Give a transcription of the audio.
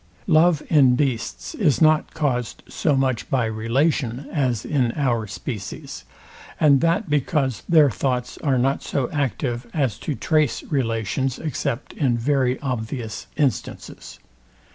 Love in beasts is not caused so much by relation, as in our species; and that because their thoughts are not so active as to trace relations, except in very obvious instances.